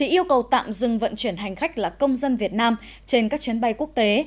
yêu cầu tạm dừng vận chuyển hành khách là công dân việt nam trên các chuyến bay quốc tế